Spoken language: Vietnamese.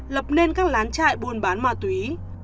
lập nên các lán chạy buôn bán ma túy